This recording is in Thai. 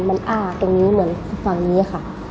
มันอ้าตรงนี้เหมือนฝั่งนี้ค่ะ